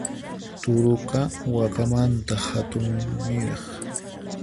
Turuqa, wakamanta hatunniraq.